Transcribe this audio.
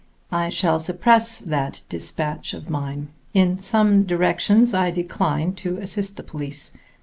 I shall suppress that despatch of mine. In some directions I decline to assist the police.